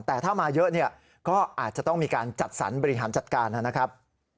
แต่ถ้ามาเยอะเนี่ยก็อาจจะต้องมีการจัดสรรบริหารจัดการนะครับ